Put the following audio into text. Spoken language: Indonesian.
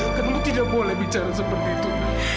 maka kamu tidak boleh bicara seperti itu nak